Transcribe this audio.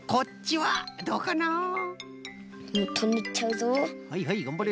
はいはいがんばれ。